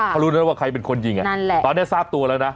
เขารู้แล้วว่าใครเป็นคนยิงนั่นแหละตอนนี้ทราบตัวแล้วนะ